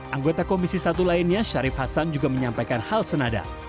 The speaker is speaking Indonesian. anggota komisi satu lainnya syarif hasan juga menyampaikan hal senada